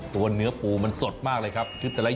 เนื้อปูมันสดมากเลยครับ